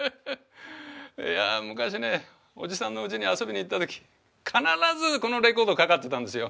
いや昔ねおじさんのうちに遊びに行った時必ずこのレコードかかってたんですよ。